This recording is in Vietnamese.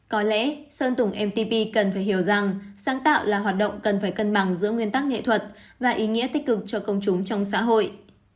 có lẽ sơn tùng mtp cần phải hiểu rằng sáng tạo là hoạt động cần phải cân bằng giữa nguyên tắc nghệ thuật và ý nghĩa tích cực cho công chúng trong xã hội